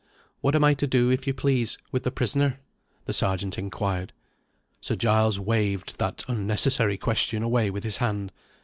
"What am I to do, if you please, with the prisoner?" the Sergeant inquired. Sir Giles waived that unnecessary question away with his hand.